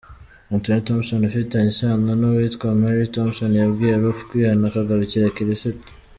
Anthony Thompson, ufitanye isano n’uwitwa Myra Thompson yabwiye Roof kwihana akagarukira Kirisitu.